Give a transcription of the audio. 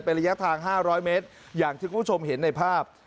เป็นระยะทาง๕๐๐เมตรอย่างที่คุณผู้ชมเห็นในภาพ